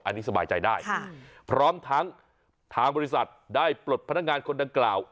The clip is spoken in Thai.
อันนี้สบายใจได้พร้อมทั้งทางบริษัทได้ปลดพนักงานคนดังกล่าว